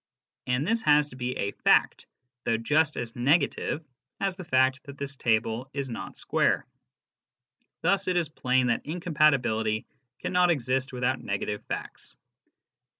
And this has to be s,fact, though just as negative as the fact that this table is not square. Thus it is plain that incompatibility cannot exist without negative facts.